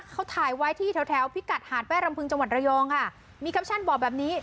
เขาถ่ายไว้ที่แถวแถวพิกัดหาดแป้รำพึงจังหวัดระยองค่ะมีแคปชั่นบอกแบบนี้